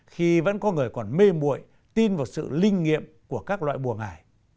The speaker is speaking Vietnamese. khi vẫn có người còn mê mụi tin vào sự linh nghiệm của các loại bùa ngải